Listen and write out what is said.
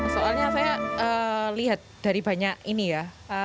soalnya saya lihat dari banyak ini ya